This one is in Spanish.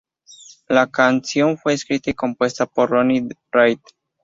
La canción fue escrita y compuesta por Ronnie Radke.